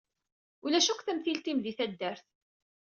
Ulac akk tamtilt-im di taddart.